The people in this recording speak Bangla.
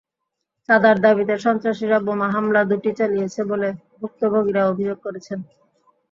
চাঁদার দাবিতে সন্ত্রাসীরা বোমা হামলা দুটি চালিয়েছে বলে ভুক্তভোগীরা অভিযোগ করেছেন।